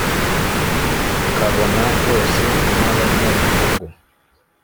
kabona bose n' abanyabihogo